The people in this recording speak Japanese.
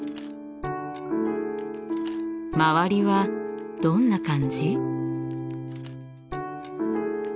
周りはどんな感じ？